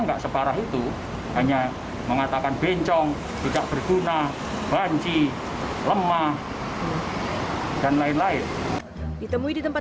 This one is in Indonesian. enggak separah itu hanya mengatakan bencong tidak berguna banci lemah dan lain lain ditemui di tempat